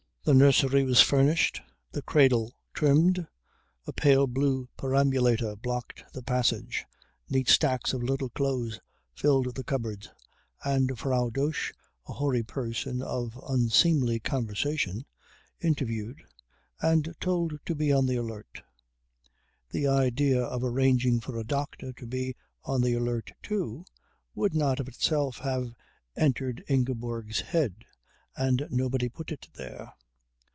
The nursery was furnished, the cradle trimmed, a pale blue perambulator blocked the passage, neat stacks of little clothes filled the cupboards, and Frau Dosch, a hoary person of unseemly conversation, interviewed and told to be on the alert. The idea of arranging for a doctor to be on the alert too would not of itself have entered Ingeborg's head, and nobody put it there.